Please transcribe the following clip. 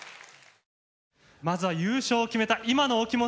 まずは優勝を決めた今のお気持ち